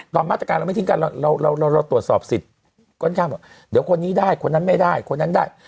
มาตรการเราไม่ทิ้งกันเราเราตรวจสอบสิทธิ์ค่อนข้างบอกเดี๋ยวคนนี้ได้คนนั้นไม่ได้คนนั้นได้